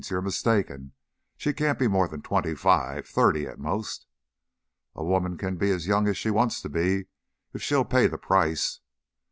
You're mistaken. She can't be more than twenty five thirty at most." "A woman can be as young as she wants to be if she'll pay the price.